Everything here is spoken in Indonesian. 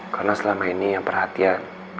karena selama ini yang perhatian